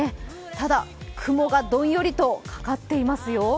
ただ、雲がどんよりとかかっていますよ。